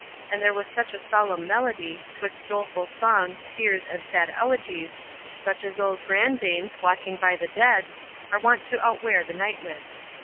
And there was such a solemn melody, 'Twixt doleful songs, tears, and sad elegies,— Such as old grandames, watching by the dead, Are wont to outwear the night with.